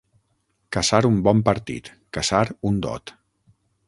Caçar un bon partit, caçar un dot.